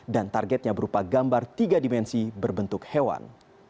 dan targetnya berupa gambar tiga dimensi berbentuk hewan